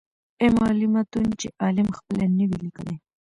امالي متون چي عالم خپله نه وي ليکلي.